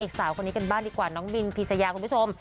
สาวคนนี้กันบ้างดีกว่าน้องบินพีชยาคุณผู้ชม